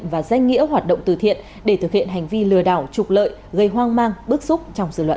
và danh nghĩa hoạt động từ thiện để thực hiện hành vi lừa đảo trục lợi gây hoang mang bước xúc trong dự luận